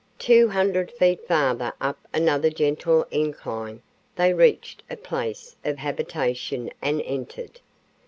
Two hundred feet farther up another gentle incline they reached a place of habitation and entered.